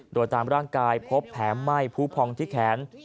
โดยตามร่างกายพบแผลไหม้ผู้พองที่แขน